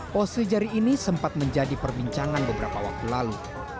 pose jari ini sempat menjadi perbincangan beberapa waktu lalu